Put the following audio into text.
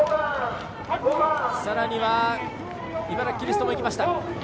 さらには茨城キリストもいきました。